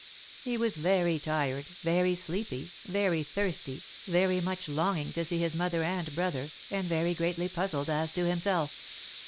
He was very tired, very sleepy, very thirsty, very much longing to see his mother and brother, and very greatly puzzled as to himself.